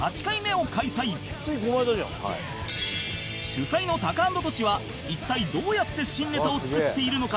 「ついこの間じゃん」主催のタカアンドトシは一体どうやって新ネタを作っているのか？